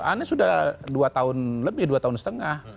anies sudah dua tahun lebih dua tahun setengah